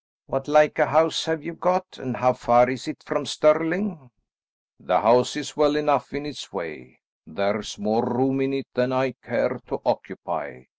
"What like a house have you got, and how far is it from Stirling?" "The house is well enough in its way; there's more room in it than I care to occupy.